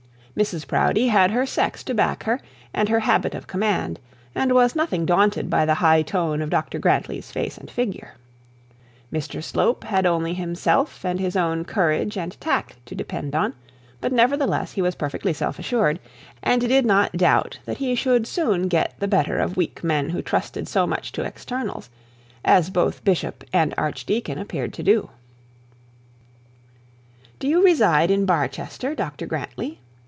Mrs Proudie had her sex to back her, and her habit of command, and was nothing daunted by the high tone of Dr Grantly's face and figure. Mr Slope had only himself and his own courage and tact to depend on, but he nevertheless was perfectly self assured, and did not doubt but that he should soon get the better of weak men who trusted so much to externals, as both bishop and archdeacon appeared to do. 'Do you reside in Barchester, Dr Grantly?'